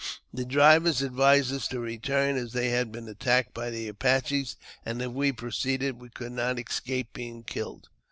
The drivers advised us to return, as they had been attacked by the Apaches, and if we proceeded we could not escape being killed.